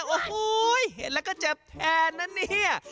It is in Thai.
โอ้โหเห็นแล้วก็เจ็บแทนนะเนี่ย